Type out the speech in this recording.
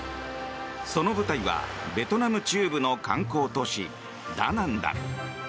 その舞台はベトナム中部の観光都市ダナンだ。